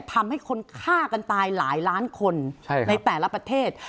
ทำให้คนฆ่ากันตายหลายล้านคนในแต่ละประเทศ